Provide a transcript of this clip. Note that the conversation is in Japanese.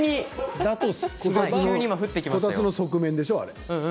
だとするとこたつの側面でしょう？